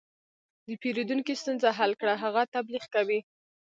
د پیرودونکي ستونزه حل کړه، هغه تبلیغ کوي.